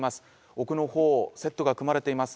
奥の方セットが組まれています。